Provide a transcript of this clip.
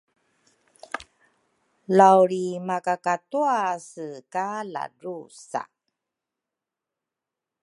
lawlriimakatuase ka latusa.